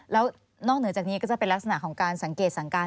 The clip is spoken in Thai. แล้วนอกเหนือจากนี้ก็จะเป็นลักษณะของการสังเกตสังการ